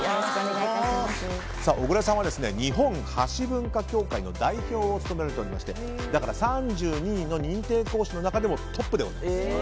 小倉さんは日本箸文化協会の代表を務められておりまして３２人の認定講師の中でもトップでございます。